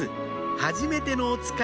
『はじめてのおつかい』。